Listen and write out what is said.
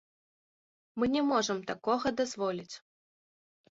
Мы не можам такога дазволіць.